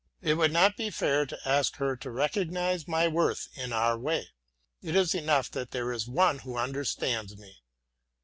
It would not be fair to ask her to recognize my worth in our way. It is enough that there is one who understands me.